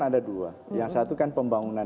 ada dua yang satu kan pembangunan